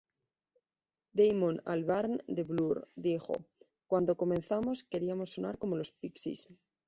Damon Albarn de Blur dijo: "Cuando comenzamos queríamos sonar como los Pixies".